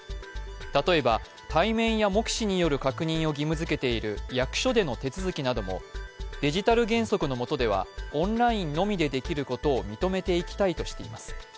例えば、対面や目視による確認を義務づけている役所での手続きも、デジタル原則のもとではオンラインのみでできることを認めていきたいとしています。